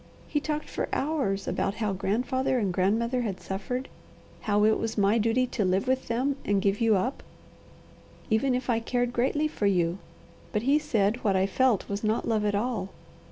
He talked for hours about how grandfather and grandmother had suffered, how it was my duty to live with them and give you up, even if I cared greatly for you; but he said what I felt was not love at all.